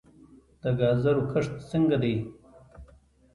د ګازرو کښت څنګه دی؟